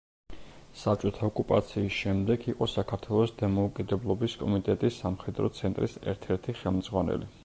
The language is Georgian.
საბჭოთა ოკუპაციის შემდეგ იყო საქართველოს დამოუკიდებლობის კომიტეტის სამხედრო ცენტრის ერთ-ერთი ხელმძღვანელი.